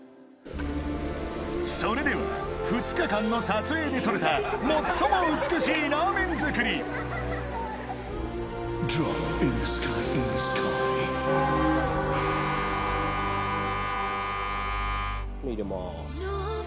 それでは２日間の撮影で撮れた最も美しいラーメン作り麺入れます。